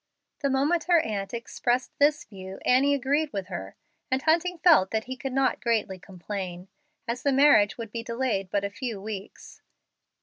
The moment her aunt expressed this view Annie agreed with her, and Hunting felt that he could not greatly complain, as the marriage would be delayed but a few weeks.